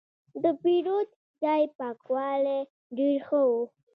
د پیرود ځای پاکوالی ډېر ښه و.